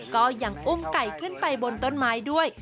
ก็ยังอุ้มไก่ขึ้นไปบนต้นไม้ด้วย